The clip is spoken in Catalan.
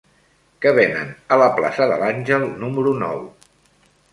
Què venen a la plaça de l'Àngel número nou?